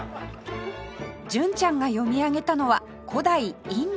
純ちゃんが読み上げたのは古代インドの言葉